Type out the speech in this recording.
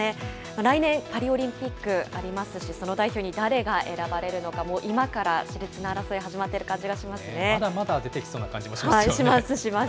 来年、パリオリンピックありますし、その代表に誰が選ばれるのか、もう今からしれつな争い、始まってまだまだ出てきそうな感じもします、します。